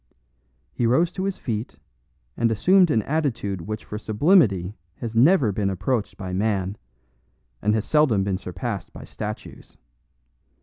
He rose to his feet, and assumed an attitude which for sublimity has never been approached by man, and has seldom been surpassed by statues.